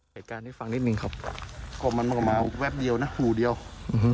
เหตุการณ์ให้ฟังนิดหนึ่งครับเพราะมันมาก็มาแวบเดียวนะหูเดียวอื้อฮึ